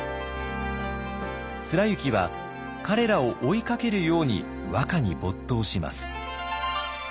貫之は彼らを追いかけるように和歌に没頭します。